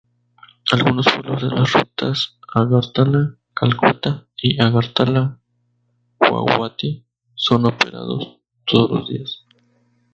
Algunos vuelos de las rutas Agartala-Calcuta y Agartala-Guwahati son operados todos los días.